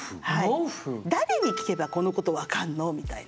誰に聞けばこのこと分かんの？みたいな。